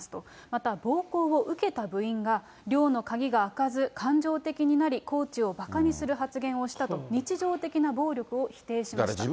また暴行を受けた部員が、寮の鍵が開かず、感情的になり、コーチをばかにする発言をしたと、日常的な暴力を否定しました。